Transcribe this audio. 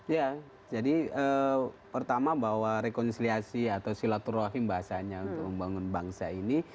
ya jadi pertama bahwa rekonsiliasi atau silaturahim bahasanya untuk membangun bangsa ini